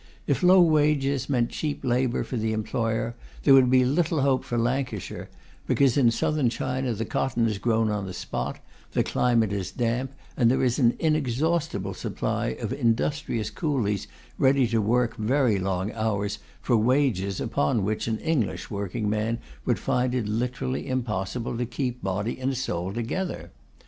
If low wages meant cheap labour for the employer, there would be little hope for Lancashire, because in Southern China the cotton is grown on the spot, the climate is damp, and there is an inexhaustible supply of industrious coolies ready to work very long hours for wages upon which an English working man would find it literally impossible to keep body and soul together.